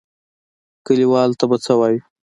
کليوالو ته به څه وايو؟